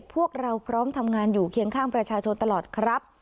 พวกเราพร้อมทำงานอยู่เคียงข้างประชาชนตลอดครับ